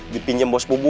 dipinjam bos bubun